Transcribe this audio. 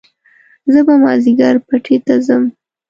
زه به مازيګر پټي ته ځم